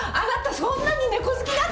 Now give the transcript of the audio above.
そんなにネコ好きだった？